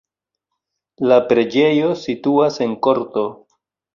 La preĝejo situas en korto.